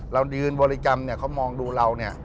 เรายืนบริกรรมเนี่ยเขามองดูเราเนี่ย